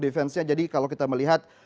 defense nya jadi kalau kita melihat